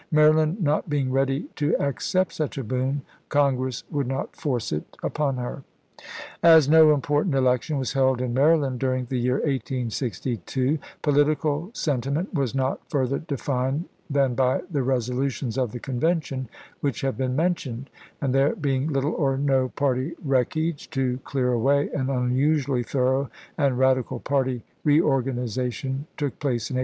Maryland not being ready to accept such a boon. Congress would not force it upon her. As no important election was held in Maryland during the year 1862 political sentiment was not further defined than by the resolutions of the Convention which have been mentioned ; and there being little or no party wreckage to clear away an unusually thorough and radical party re organization took place in 1863.